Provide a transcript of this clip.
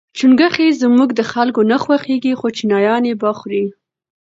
چونګښي زموږ د خلکو نه خوښیږي خو چینایان یې با خوري.